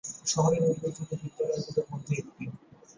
শহরের উল্লেখযোগ্য বিদ্যালয়গুলোর মধ্যে একটি।